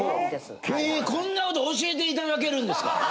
えこんなこと教えいただけるんですか。